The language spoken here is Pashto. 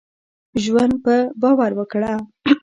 ژوند په باور وکړهٔ.